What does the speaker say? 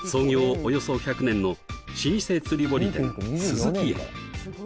およそ１００年の老舗釣り堀店寿々木園